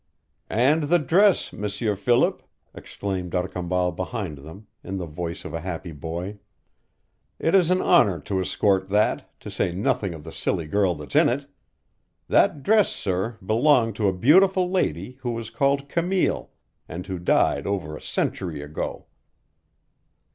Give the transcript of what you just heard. "And the dress, M'sieur Philip!" exclaimed D'Arcambal behind them, in the voice of a happy boy. "It is an honor to escort that, to say nothing of the silly girl that's in it. That dress, sir, belonged to a beautiful lady who was called Camille, and who died over a century ago."